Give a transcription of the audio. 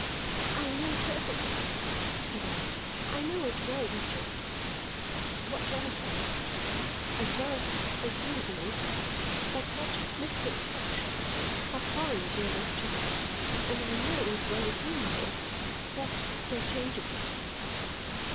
"I know perfectly," said I. "I know as well, Richard what shall I say? as well as you do that such misconstructions are foreign to your nature. And I know, as well as you know, what so changes it."